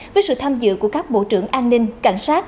với sự tham dự của các bộ trưởng an ninh cảnh sát